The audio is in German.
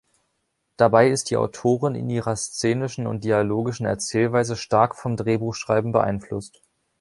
Dabei ist die Autorin in ihrer szenischen und dialogischen Erzählweise stark vom Drehbuchschreiben beeinflusst.